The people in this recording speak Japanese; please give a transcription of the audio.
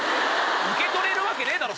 受け取れるわけねえだろ！